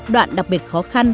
đoạn đặc biệt khó khăn